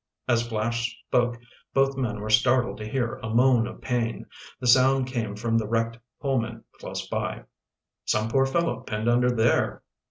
As Flash spoke, both men were startled to hear a moan of pain. The sound came from the wrecked Pullman close by. "Some poor fellow pinned under there!"